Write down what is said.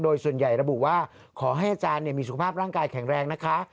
โดยส่วนใหญ่ระบุว่าขอให้อาจารย์มีสุขภาพร่างกายแข็งแรงนะคะ